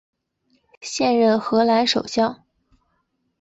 现任荷兰首相。